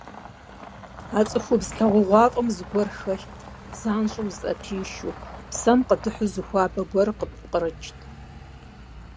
А цӀыхубз лъагъугъуафӀэм зыгуэр хэлът, занщӀэу узыӀэпишэу, псэм къыдыхьэу зы хуабэ гуэр къыпкърыкӀырт.